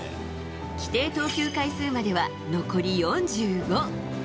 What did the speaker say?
規定投球回数までは残り４５。